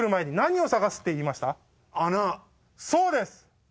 そうです。